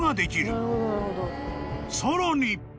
［さらに］